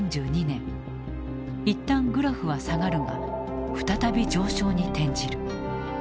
一旦グラフは下がるが再び上昇に転じる。